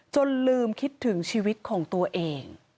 จนลืมคิดถึงชีวิตของตัวเอง